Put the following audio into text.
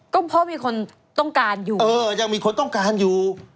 ก็เพราะมีคนต้องการอยู่เออยังมีคนต้องการอยู่